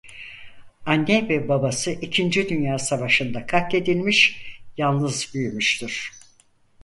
Anne ve babası ikinci Dünya Savaşı'nda katledilmiş yalnız büyümüştür.